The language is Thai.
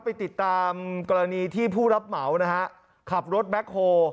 ไปติดตามกรณีที่ผู้รับเหมานะฮะขับรถแบ็คโฮ